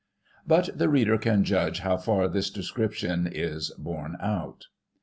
But the reader can judge how far this description is borne out.